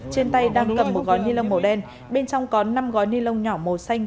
trên tay đang cầm một gói ni lông màu đen bên trong có năm gói ni lông nhỏ màu xanh